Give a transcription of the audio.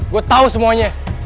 gue tau semuanya